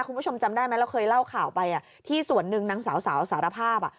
คุณผู้ชมจำได้ไหมเราเคยเล่าข่าวไปที่ส่วนหนึ่งนางสาวสารภาพอ่ะ